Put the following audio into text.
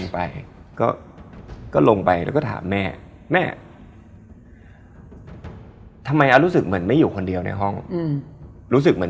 ในกลุ่มคาบเลือดเลยหรือ